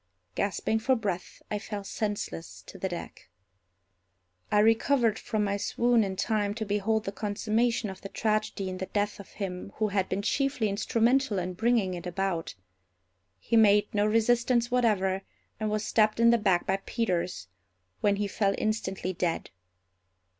Gasping for breath, I fell senseless to the deck. I recovered from my swoon in time to behold the consummation of the tragedy in the death of him who had been chiefly instrumental in bringing it about. He made no resistance whatever, and was stabbed in the back by Peters, when he fell instantly dead.